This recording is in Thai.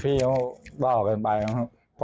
พี่เขาว่าออกกันไปครับ